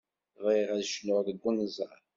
Bɣiɣ ad cnuɣ deg unẓar.